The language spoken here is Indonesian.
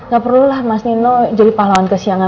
gak perlulah mas nino jadi pahlawan kesiangan